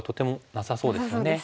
なさそうですね。